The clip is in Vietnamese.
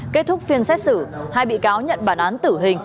kết thúc phiên xét xử hai bị cáo nhận bản án tử hình